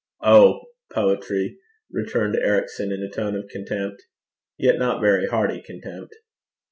'Oh! Poetry!' returned Ericson, in a tone of contempt yet not very hearty contempt.